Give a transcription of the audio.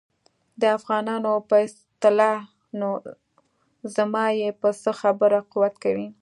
د افغانانو په اصطلاح نو زما یې په څه خبره قوت کوي.